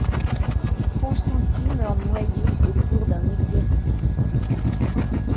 Konstanty meurt noyé au cours d'un exercice.